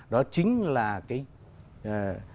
đó chính là cái